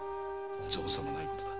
造作もない事だ。